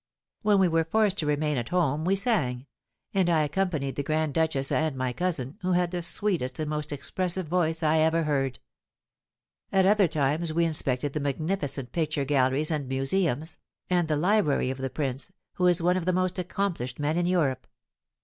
When we were forced to remain at home we sang, and I accompanied the grand duchess and my cousin, who had the sweetest and most expressive voice I ever heard. At other times we inspected the magnificent picture galleries and museums, and the library of the prince, who is one of the most accomplished men in Europe.